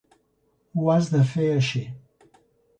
Ho has de fer així.